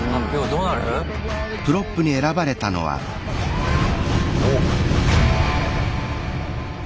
どうなる⁉おっ。